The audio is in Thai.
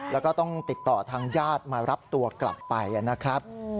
แล้วก็ต้องติดต่อทางญาติมารับตัวกลับไปนะครับ